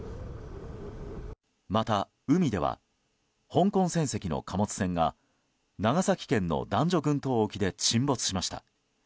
また、海では香港船籍の貨物船が長崎県の男女群島沖で沈没しました。